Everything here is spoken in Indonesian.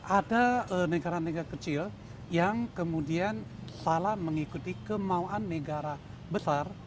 ada negara negara kecil yang kemudian salah mengikuti kemauan negara besar